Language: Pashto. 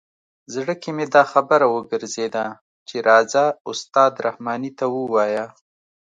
زړه کې مې دا خبره وګرځېده چې راځه استاد رحماني ته ووایه.